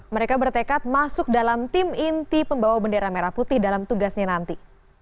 mereka bertekad masuk dalam tim inti pembawa bendera merah putih dalam tugasnya nanti